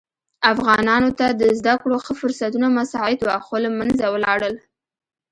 افغانانو ته د زده کړو ښه فرصتونه مساعد وه خو له منځه ولاړل.